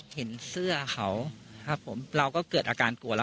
เห็นเสื้อเขาเราก็เกิดอาการกลัว